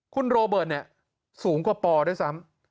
คุณโรเบิร์ตเนี่ยสูงกว่าปอด้วยซ้ำ